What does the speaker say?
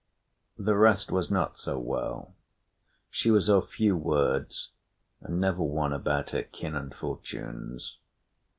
The rest was not so well. She was of few words, and never one about her kin and fortunes.